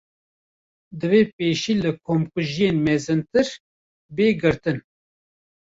Divê pêşî li komkujiyên mezintir, bê girtin